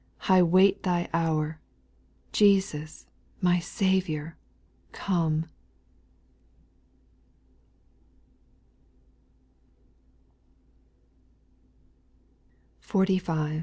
I wait Thy hour : Jesus, my Saviour, Come I 45.